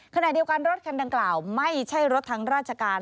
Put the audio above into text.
ขณะเดียวกันรถคันดังกล่าวไม่ใช่รถทางราชการ